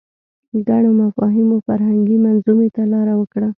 ګڼو مفاهیمو فرهنګي منظومې ته لاره وکړه